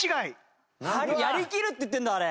「やりきる」って言ってるんだあれ！